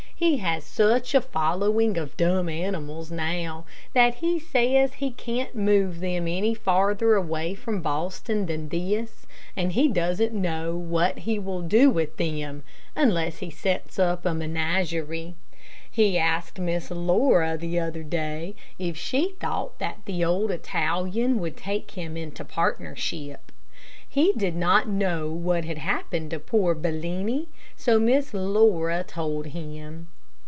He has such a following of dumb animals now, that he says he can't move them any farther away from Boston than this, and he doesn't know what he will do with them, unless he sets up a menagerie. He asked Miss Laura the other day, if she thought that the old Italian would take him into partnership. He did not know what had happened to poor Bellini, so Miss Laura told him.